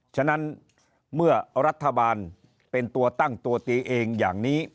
ฉะนั้นเมื่อรัฐบาลเป็นตัวตั้งตัวตีเองอย่างนี้